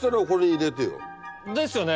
ですよね！